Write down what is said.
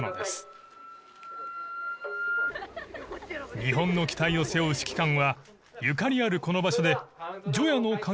日本の期待を背負う指揮官はゆかりあるこの場所で除夜の鐘ならぬ。